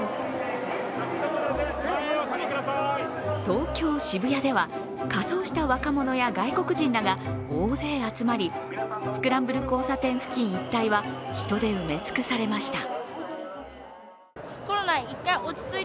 東京・渋谷では仮装した若者や外国人らが大勢集まりスクランブル交差点付近一帯は人で埋め尽くされました。